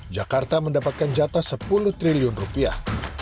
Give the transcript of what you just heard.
jakarta mendapatkan jatah sepuluh triliun rupiah